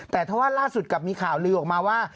แต่ถ้าว่าล่าสุดกลับมีข่าวลือออกมาว่า